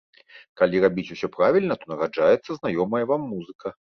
Калі рабіць усё правільна, то нараджаецца знаёмая вам музыка.